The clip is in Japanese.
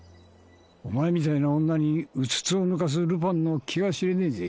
お前みたいな女にうつつを抜かすルパンの気が知れねえぜ。